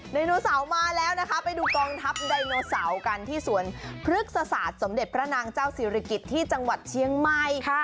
โนเสาร์มาแล้วนะคะไปดูกองทัพไดโนเสาร์กันที่สวนพฤกษศาสตร์สมเด็จพระนางเจ้าศิริกิจที่จังหวัดเชียงใหม่